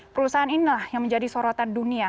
perusahaan inilah yang menjadi sorotan dunia